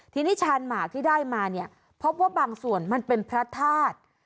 ทีนี้ชานหมากที่ได้มาเนี่ยพบว่าบางส่วนมันเป็นพระธาตุ